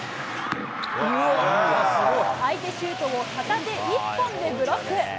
相手シュートを片手１本でブロック。